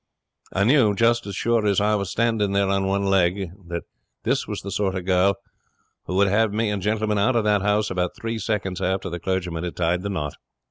I knew, just as sure as I was standing there on one leg, that this was the sort of girl who would have me and Gentleman out of that house about three seconds after the clergyman had tied the knot.